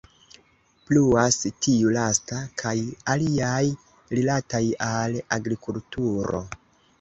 Pluas tiu lasta kaj aliaj rilataj al agrikulturo.